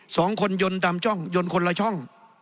สองคนยนต์ดำช่องยนต์คนละช่อง